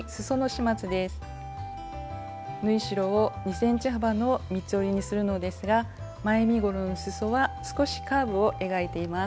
縫い代を２ｃｍ幅の三つ折りにするのですが前身ごろのすそは少しカーブを描いています。